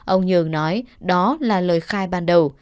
ông nhường nói đó là lời khai ban đầu